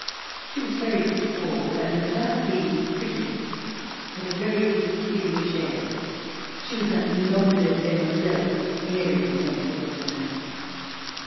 She was very tall, and without being pretty had a very distinguished air. She was a noble demoiselle in every sense of the term.